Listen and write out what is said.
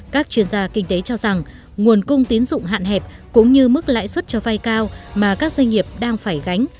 các chuyên gia kinh tế cho rằng nguồn cung tín dụng hạn hẹp cũng như mức lãi suất cho vay cao mà các doanh nghiệp đang phải gánh